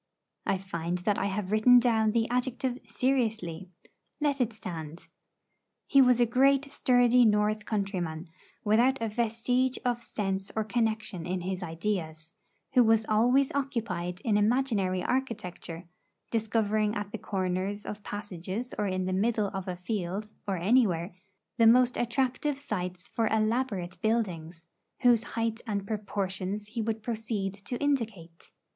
I find that I have written down the adjective seriously; let it stand. He was a great sturdy North countryman, without a vestige of sense or connection in his ideas, who was always occupied in imaginary architecture, discovering at the corners of passages or in the middle of a field, or anywhere, the most attractive sites for elaborate buildings, whose height and proportions he would proceed to indicate.